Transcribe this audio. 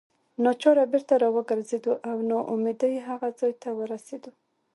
ناچاره بیرته راوګرځېدو او نا امیدۍ هغه ځای ته ورسېدو.